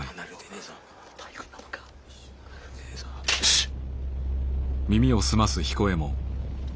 しっ！